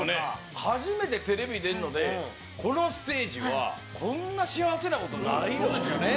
初めてテレビ出るので、このステージは、こんな幸せなことないですよね。